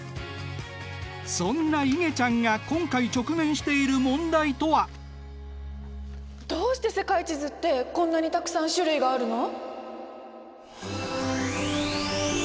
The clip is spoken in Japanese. そんないげちゃんが今回直面している問題とは？どうして世界地図ってこんなにたくさん種類があるの！？